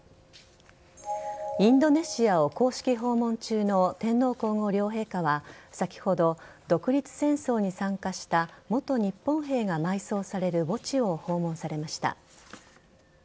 インドネシアを公式訪問中の天皇皇后両陛下は先ほど、独立戦争に参加した元日本兵が埋葬される墓地を訪問されました。